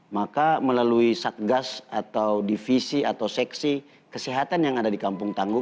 maka melalui satgas atau divisi atau seksi kesehatan yang ada di kampung tangguh